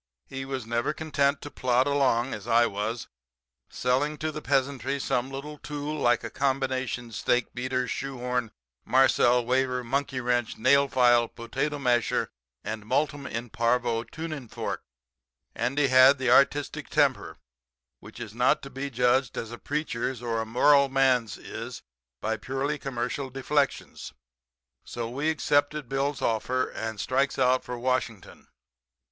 He was never content to plod along, as I was, selling to the peasantry some little tool like a combination steak beater, shoe horn, marcel waver, monkey wrench, nail file, potato masher and Multum in Parvo tuning fork. Andy had the artistic temper, which is not to be judged as a preacher's or a moral man's is by purely commercial deflections. So we accepted Bill's offer, and strikes out for Washington.